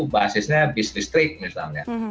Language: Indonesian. basisnya bis listrik misalnya